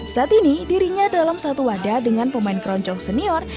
saat ini dirinya dalam satu wadah dengan pemain keroncong senior